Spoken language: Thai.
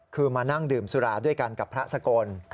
คือมานั่งดื่มสุราด้วยกันกับพระสกล